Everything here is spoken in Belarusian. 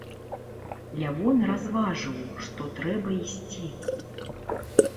Лявон разважыў, што трэба ісці.